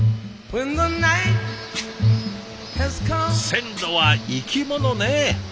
「線路は生き物」ね。